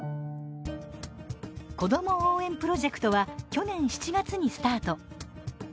「子ども応援プロジェクト」は去年７月にスタート。